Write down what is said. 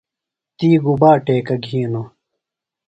تی گُبا ٹیکہ گِھینوۡ ہِنوۡ؟